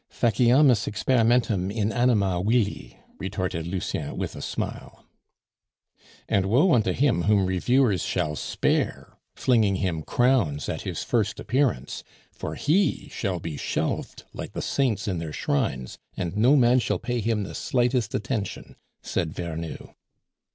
"Faciamus experimentum in anima vili," retorted Lucien with a smile. "And woe unto him whom reviewers shall spare, flinging him crowns at his first appearance, for he shall be shelved like the saints in their shrines, and no man shall pay him the slightest attention," said Vernou.